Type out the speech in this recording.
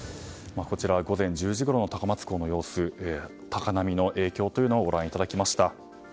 午前１０時ごろの高松港の様子高波の影響というのをご覧いただきました。